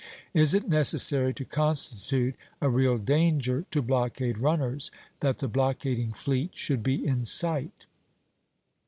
Is it necessary, to constitute a real danger to blockade runners, that the blockading fleet should be in sight?